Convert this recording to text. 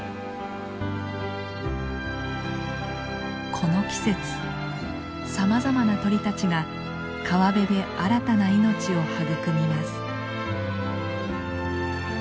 この季節さまざまな鳥たちが川辺で新たな命を育みます。